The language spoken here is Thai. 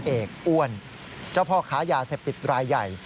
เอกอ้วนเจ้าพ่อค้ายาเสพติดรายใหญ่